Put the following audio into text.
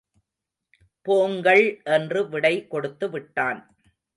போங்கள் என்று விடை கொடுத்துவிட்டான்.